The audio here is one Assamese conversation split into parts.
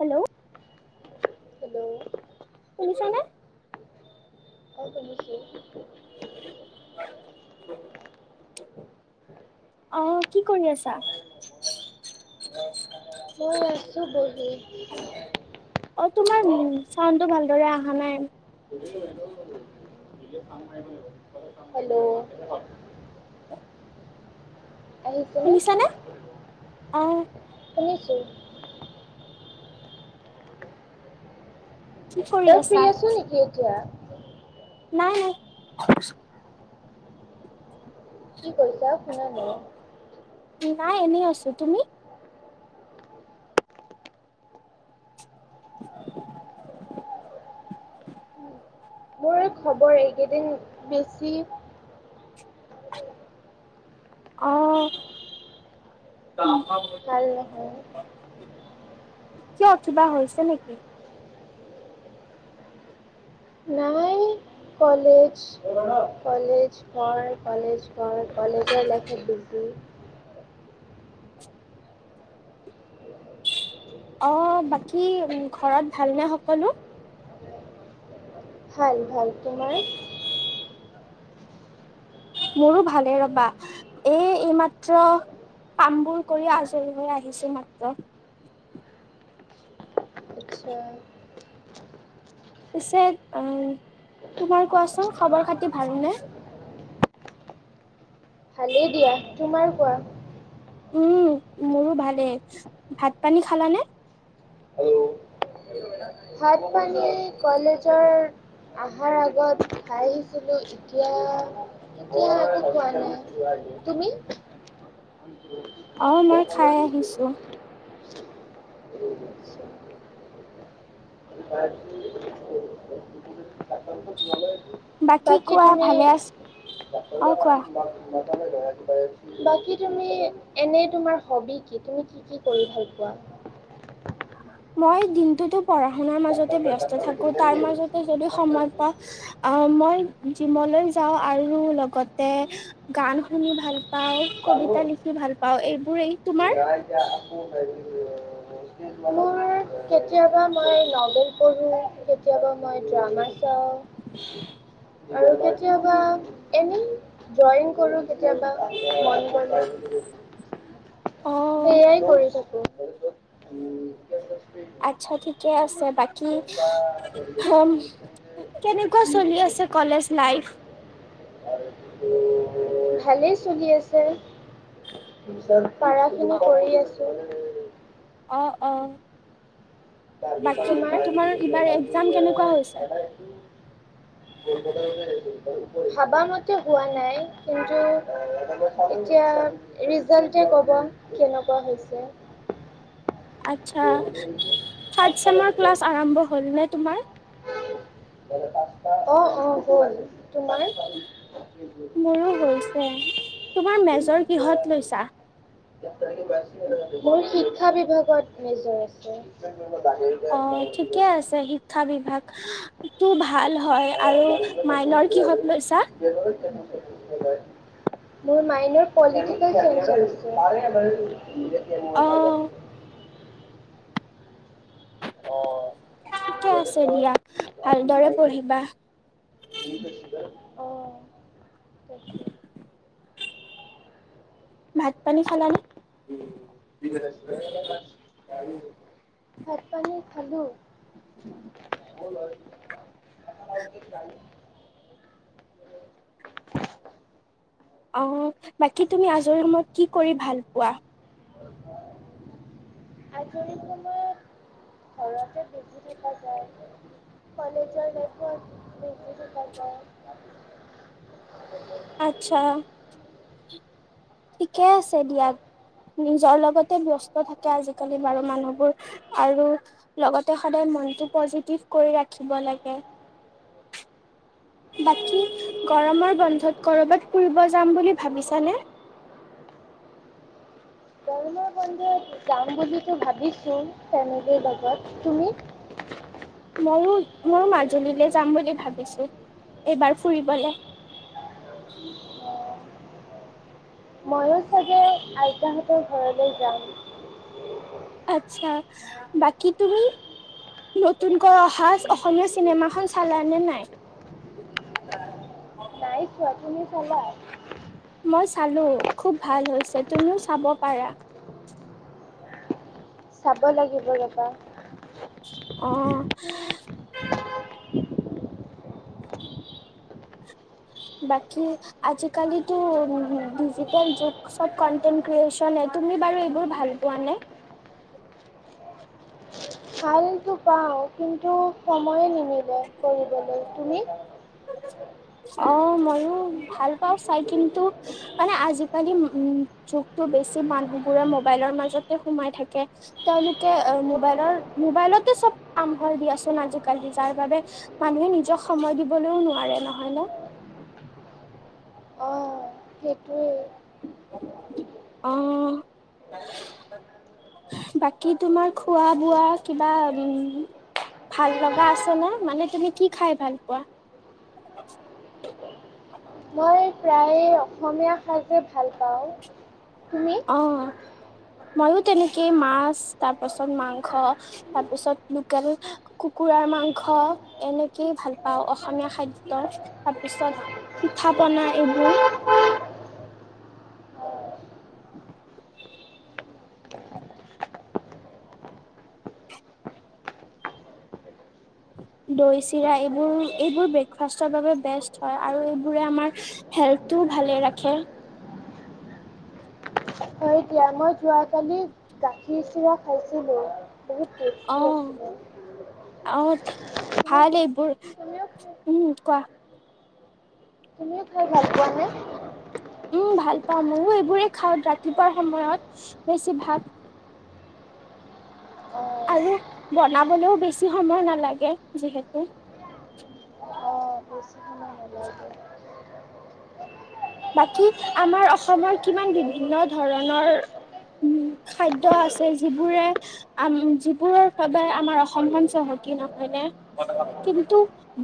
হেল্ল'। হেল্ল'। শুনিচানে? হয়, শুনিছো। অ', কি কৰি আছা? মই আছো বহি। অ', তোমাৰ চাউণ্ডটো ভালদৰে অহা নাই। হেল্ল'। আহিছেনে শুনিছানে? অ' শুনিছো। কি কৰি তই ফ্ৰী আছা আছ নেকি এতিয়া নাই নাই। কি কৈছা শুনা নাই। নাই এনেই আছো। তুমি? মোৰ এই খবৰ এইকেইদিন বেছি অ [unintelligible] ভাল নহয়। কিয় কিবা হৈছে নেকি? নাই কলেজ কলেজ ঘৰ কলেজ ঘৰ কলেজৰ লাইফত বিজি। অ বাকী ঘৰত ভালনে সকলো? ভাল ভাল। তোমাৰ? [inaudible] মোৰো ভালে ৰ'বা। এই এইমাত্ৰ কামবোৰ কৰি আজৰি হৈ আহিছো মাত্ৰ। আচ্ছা পিছে আহ তোমাৰ কোৱাচোন খবৰ খাতি ভালনে? ভালেই দিয়া। তোমাৰ কোৱা? উম মোৰো ভালেই। ভাত পানী খালানে? কোৱা ভাত পানী কলেজৰ আহাৰ আগত খাই আহিছিলো এতিয়া এতিয়া একো খোৱা নাই। তুমি? অ মই খাই আহিছো। [unintelligible] বাকী কোৱা তুমি ভালে আছ অ কোৱা [unintelligible] বাকী তুমি এনে তোমাৰ হবি কি তুমি কি কি কৰি ভাল পোৱা? মই দিনটোতো পঢ়া শুনাৰ মাজতে ব্যস্ত থাকো তাৰ মাজতে যদি সময় পাওঁ। আ মই জিমলৈ যাওঁ আৰু লগতে গান শুনি ভাল পাওঁ। কবিতা পোৱা? লিখি ভাল পাওঁ এইবোৰেই। তোমাৰ নাই এতিয়া আকৌ হেৰি [unintelligible] মোৰ কেতিয়াবা মই নভেল পঢ়ো কেতিয়াবা মই ড্ৰামা চাও আৰু কেতিয়াবা এনেই ড্ৰয়িং কৰো কেতিয়াবা মন গ'লে। অ সেইয়াই কৰি থাকো। [unintelligible] ত্তই আছে বাক কী হম কেনেকুৱা চলি আছে কলেজ লাইফ? [unintelligible] ভালেই চলি আছে। [unintelligible] পাৰাখিনি কৰি আছো। অ অ। বাকী এইবাৰ তোমাৰ এক্জাম কেনেকুৱা হৈছে [unintelligible] [unintelligible] [unintelligible] ভাবা মতে হোৱা নাই কিন্তু এতিয়া ৰিজাল্টে ক'ব কেনেকুৱা হৈছে। আত্চ্ছা থাৰ্ড চেমৰ ক্লাছ আৰম্ভ হ'লনে তোমাৰ? অ অ হ'ল। তোমাৰ? মোৰো হৈছে। তোমাৰ মেজৰ কিহত লৈছা? [unintelligible] মোৰ শিক্ষা বিভাগত মেজৰ আছে। [unintelligible] অ ঠিকে আছে সি শিক্ষা বিভাগ টো ভাল হয় আৰু মাইনৰ কিহত লৈছা? [unintelligible] মোৰ মাইনৰ পলিটিকেল চাইঞ্চ আছে অ [unintelligible] অ ঠিকে তাকে। আছে দিয়া ভালদৰে পঢ়িবা অ [unintelligible] ভাত পানী খালানে [unintelligible] ভাত পানী খালোঁ [unintelligible] [unintelligible] অ বাকী তুমি আজৰি সময়ত কি কৰি ভাল পোৱা আজৰি সময়ত ঘৰতে বহি থকা যায় কলেজৰ নেটৰ্ক [unintelligible] আচ্ছা ঠিকে আছে দিয়া নিজৰ লগতে ব্যস্ত থাকে আজিকালি বাৰু মানুহবোৰ আৰু লগতে সদায় মনটো পজিটিভ কৰি ৰাখিব লাগে বাকী গৰমৰ বন্ধত কৰ'বাত ফুৰিব যাম বুলি ভাবিছানে গৰমৰ বন্ধুত যাম বুলিতো ভাবিছো ফেমেলীৰ লগত তুমি ময়ো ময়ো মাজুলীলে যাম বুলি ভাবিছো এইবাৰ ফুৰিবলে ময়ো চাগে আইতাহঁতৰ ঘৰলে যাম আচ্ছা বাকী তুমি নতুনকৈ অহা অসমীয়া চিনেমাখন চালানে নাই নাই চোৱা, তুমি চালা? মই চালো খুব ভাল হৈছে তুমিও চাব পাৰা চাব লাগিব ৰ'বা অ বাকি আজিকালিটো ডিজিটেল যুগ চৰ্ত কণ্টেন্ত ক্ৰিয়েচন তুমি বাৰু এইবোৰ ভাল পোৱা নে টো পাওঁ কিন্তু সময়ো নিমিলে কৰিবলৈ তুমি অ ময়ো ভাল পাওঁ চাই কিন্তু মানে আজিকালি উম যুগটো বেছি মানুহবোৰে মোবাইলৰ মাজতে সোমাই থাকে তেওঁলোকে মোবাইলৰ মোবাইলতে চব কাম কৰে দিয়াচোন আজিকালি যাৰ বাবে মানুহে নিজক সময় দিবলৈও নোৱাৰে নহয় নে অঁ সেইটোৱে অ বাকী তোমাৰ খোৱা বোৱা কিবা উম ভাল লগা আছে নে মানে তুমি কি খাই ভাল পোৱা প্ৰায় অসমীয়া সাঁজে ভাল পাওঁ তুমি মইয়ো তেনেকে মাছ তাৰপাছত মাংস তাৰপিছত লোকেল কুকুৰাৰ মাংস এনেকেই ভাল পাওঁ অসমীয়া খাদ্যৰ তাৰপিছত পিঠা পনা এইবোৰ দৈ চিৰা এইবোৰ এইবোৰ ব্ৰেকফাষ্টৰ বাবে বেষ্ট হয় আৰু এইবোৰে আমাৰ হেল্থটোও ভালে ৰাখে। হয় দিয়া মই যোৱাকালি গাখীৰ, চিৰা খাইছিলোঁ বহুত অ টেষ্টি আছিলে। অ ভাল এইবোৰ শুনি আছোঁ। উম কোৱা তুমিও খাই ভাল পোৱা নে। উম ভাল পাওঁ মইও এইবোৰে খাওঁ ৰাতিপুৱাৰ সময়ত বেছি ভাগ। অঁ আৰু বনাবলৈও বেছি সময় নালাগে যিহেতু। অঁ বেছি সময় নালাগে বাকী আমাৰ অসমৰ কিমান বিভিন্ন ধৰণৰ। উম খাদ্য আছে যিবোৰে। আম যিবোৰৰ বাবে আমাৰ অসমখন চহকী নহয়নে কিন্তু।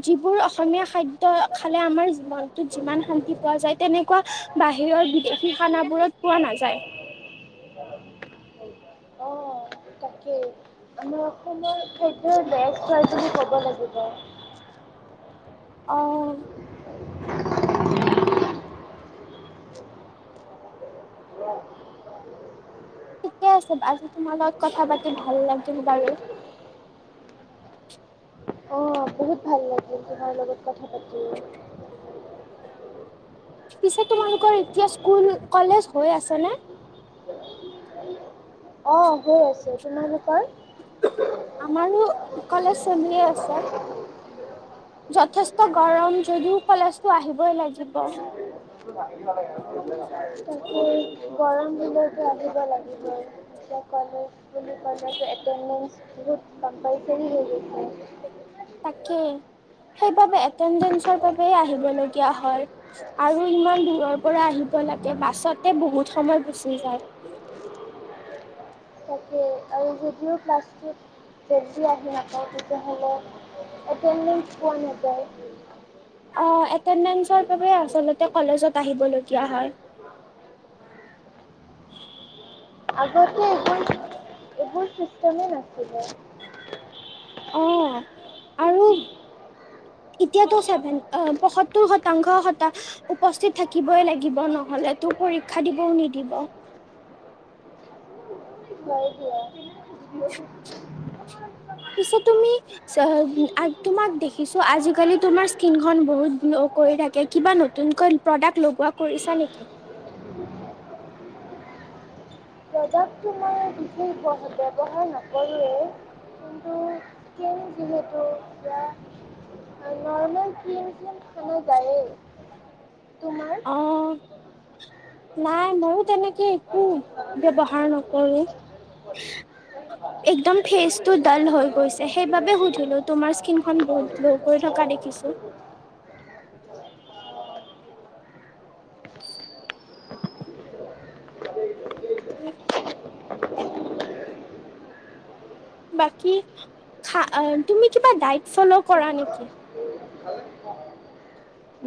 যিবোৰ অসমীয়া খাদ্য খালে আমাৰ জীৱনটোত যিমান শান্তি পোৱা যায়, তেনেকুৱা বাহিৰৰ বিদেশী খানাবোৰত পোৱা নাযায়। অঁ তাকেই। আমাৰ খাদ্যৰ বেষ্ট হয় বুলি ক'ব লাগিব। অঁ। ঠিকে আছে আজি তোমাৰ লগত কথা পাতি ভাল লাগিল বাৰু। অঁ বহুত ভাল লাগিল তোমাৰ লগত কথা পাতি। [inaudible] পিছে তোমালোকৰ এতিয়া স্কুল কলেজ হৈ আছে নে? অঁ হৈ আছে, তোমালোকৰ? আমাৰো কলেজ চলিয়ে আছে। যথেষ্ট গৰম যদিও কলেজটো আহিবই লাগিব। তাকে গৰম দিলেওটো আহিবই লাগিব। কলেজ কলেজ এটেনডেঞ্চৰ বহুত কম্পালচাৰী হৈ গৈছে। তাকেই সেইবাবে এটেনডেঞ্চৰ বাবে আহিবলগীয়া হয়। আৰু ইমান দূৰৰ পৰা আহিব লাগে বাছতে বহুত সময় গুচি যায়। তাকে। আৰু যেতিয়া ক্লাছটোত। ফেজি আহি নাপায় তেতিয়া হ'লে মল এটেণ্ডেন্স পোৱা নাযায়। অ এটেণ্ডেঞ্চৰ বাবে আচলতে কলেজত আহিবলগীয়া হয়। আগতে এইবোৰ এইবোৰ চিষ্টেমে নাছিলে। অ আৰু এতিয়াতো ছেভেন অ পয়সত্তৰ শতাংশ শতা। উপস্থিত থাকিবই লাগিব নহ'লে তোক পৰীক্ষা দিবও নিদিব। হয় দিয়া। পিছে তুমি? তোমাক দেখিছো আজিকালি তোমাৰ স্কিনখন বহুত গ্ল' কৰি থাকে কিবা নতুনকৈ। প্ৰডাক্ট লগোৱা কৰিছা নেকি? প্ৰডাক্টটো মই বেছি ব্যৱহাৰ নকৰোৱেই। কিন্তু কেৰিং যিহেতু বা। নৰ্মেল ক্ৰীম -চীম সানা যায়েই তোমাৰ? অ নাই মইও তেনেকেই। উম ব্যৱহাৰ নকৰো। [inaudible] একদম ফেচটো ডাল হৈ গৈছে সেইবাবে সুধিলো তোমাৰ স্কিনখন বহুত গ্ল কৰি থকা দেখিছোঁ। [inaudible] উম [inaudible] বাকী খা তুমি কিবা ডাইট ফল' কৰা নেকি? [unintelligible]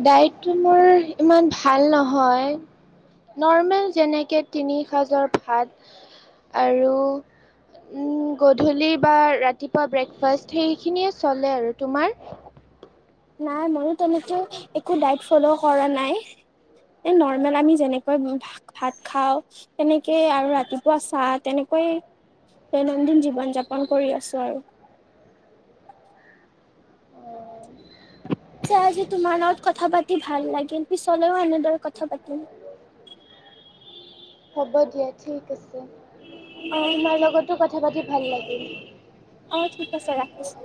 ডাইটটো মোৰ ইমান ভাল নহয় নৰ্মেল যেনেকে তিনি সাজৰ ভাত আৰু গধূলি বা ৰাতিপুৱা সেইখিনিয়ে চলে আৰু তোমাৰ নাই মইয়ো তেনেকে একো ডাইট ফলো কৰা নাই এই নৰ্মেল আমি যেনেকে ভাত খাওঁ তেনেকেই আৰু ৰাতিপুৱা চাহ তেনেকৈ দৈনন্দিন জীৱন যাপন কৰি আছোঁ আৰু পিছে আজি তোমাৰ লগত কথা পাতি ভাল লাগিল পিছলৈও এনেদৰে কথা পাতিম হ'ব দিয়া ঠিক আছে অ', তোমাৰ লগতো কথা পাতি ভাল লাগিল অঁ ঠিক আছে ৰাখিছোঁ